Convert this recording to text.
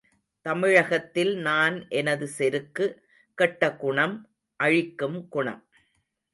தமிழகத்தில் நான் எனது செருக்கு, கெட்ட குணம் அழிக்கும் குணம்.